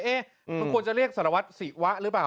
มันควรจะเรียกสารวัตรศิวะหรือเปล่า